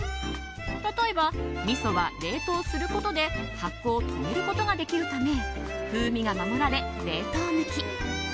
例えば、みそは冷凍することで発酵を止めることができるため風味が守られ、冷凍向き。